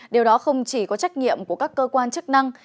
điều đó không chỉ có trách nhiệm của các cơ quan chức năng